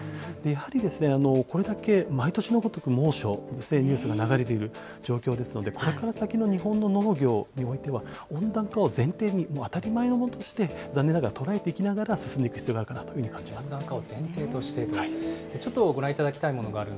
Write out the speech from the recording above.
やはりですね、これだけ毎年のごとく猛暑のニュースが流れてる状況ですので、これから先の日本の農業においては、温暖化を前提に、もう当たり前のものとして残念ながら捉えていきながら、進めていく必要があるかなというふうに感温暖化を前提としてと。